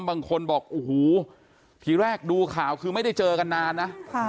บางคนบอกโอ้โหทีแรกดูข่าวคือไม่ได้เจอกันนานนะ